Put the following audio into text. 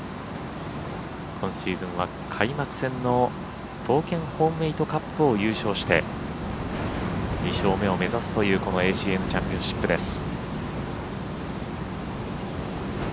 今シーズンは開幕戦の東建ホームメイトカップを優勝して２勝目を目指すというこのＡＣＮチャンピオンシップです。